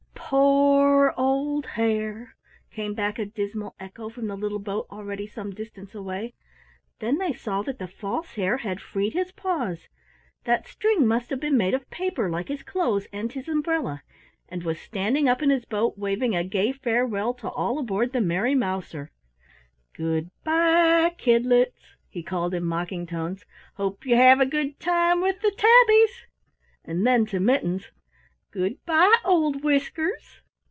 "Po o o r old Hare," came back a dismal echo from the little boat already some distance away. Then they saw that the False Hare had freed his paws that string must have been made of paper like his clothes and his umbrella and was standing up in his boat waving a gay farewell to all aboard the Merry Mouser. "Good by, kidlets!" he called in mocking tones. "Hope you have a good time with the tabbies!" And then to Mittens, "Good by, old Whiskers!"